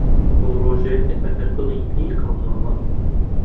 بۆ رۆژێک ئەگەر بڵێن لیێ قەوماوە.